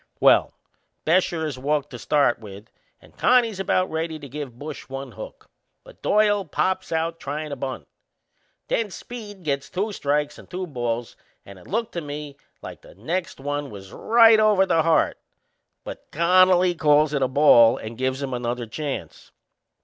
Well, Bescher is walked to start with and Connie's about ready to give Bush one hook; but Doyle pops out tryin' to bunt. Then Speed gets two strikes and two balls, and it looked to me like the next one was right over the heart; but Connolly calls it a ball and gives him another chance.